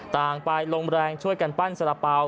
ต่างไปลมแรงช่วยกันปั้นสารเป๋า